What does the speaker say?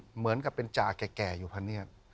เหมือนกับเป็นจ่าแก่อยู่พะเนียด